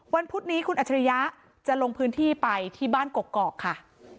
พุธนี้คุณอัจฉริยะจะลงพื้นที่ไปที่บ้านกกอกค่ะ